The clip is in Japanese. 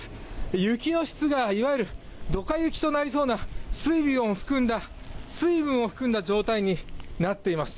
雪の質が、いわゆるドカ雪となりそうな水分を含んだ状態になっています。